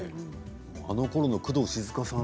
あのころの工藤静香さん